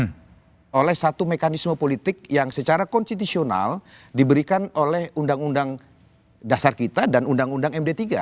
jadi itu adalah mekanisme politik yang secara konstitusional diberikan oleh undang undang dasar kita dan undang undang md tiga